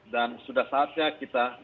dan sudah saatnya kita